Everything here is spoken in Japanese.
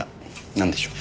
なんでしょう？